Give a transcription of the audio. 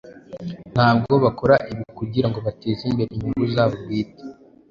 Ntabwo bakora ibi kugira ngo bateze imbere inyungu zabo bwite,